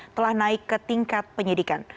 telah naik ke tingkat penyidikan